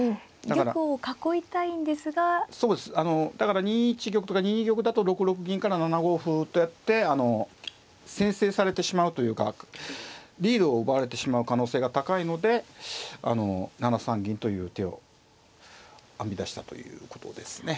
あのだから２一玉とか２二玉だと６六銀から７五歩とやってあの先制されてしまうというかリードを奪われてしまう可能性が高いので７三銀という手を編み出したということですね。